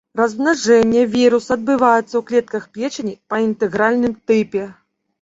Размнажэнне віруса адбываецца ў клетках печані па інтэгральным тыпе.